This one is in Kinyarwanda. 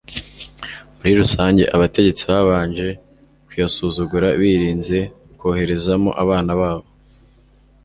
muri rusange abategetsi babanje kuyasuzugura birinze koherezamo abana babo